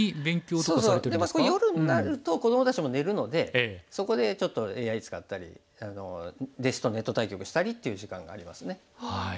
そうそう。で夜になると子どもたちも寝るのでそこでちょっとＡＩ使ったり弟子とネット対局したりっていう時間がありますね。